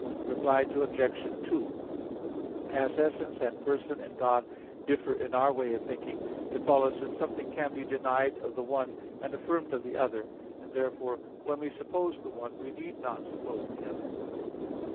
Reply Obj. 2: As essence and person in God differ in our way of thinking, it follows that something can be denied of the one and affirmed of the other; and therefore, when we suppose the one, we need not suppose the other.